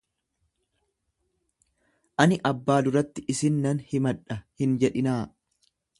Ani abbaa duratti isin nan himadha hin jedhinaa.